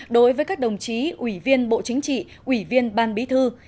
đối với các đồng chí ủy viên bộ chính trị ủy viên ban bí thư